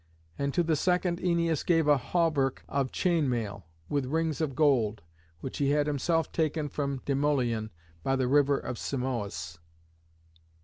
And to the second Æneas gave a hauberk of chain mail with rings of gold, which he had himself taken from Demoleon by the river of Simoïs.